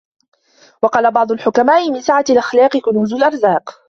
وَقَالَ بَعْضُ الْحُكَمَاءِ مِنْ سَعَةِ الْأَخْلَاقِ كُنُوزُ الْأَرْزَاقِ